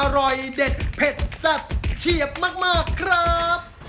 อร่อยเด็ดเผ็ดแซ่บเฉียบมากครับ